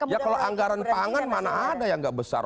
ya kalau anggaran pangan mana ada yang nggak besar